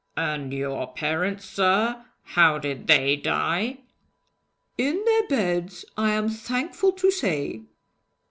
'And your parents, sir? How did they die?' 'In their beds, I am thankful to say!'